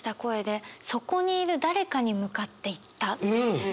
うん。